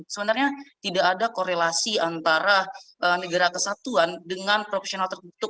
sebenarnya tidak ada korelasi antara negara kesatuan dengan profesional tertutup